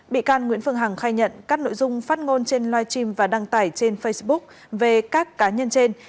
bị can nguyễn phương hằng khai nhận các nội dung phát ngôn trên live stream và đăng tải trên facebook về các cá nhân trên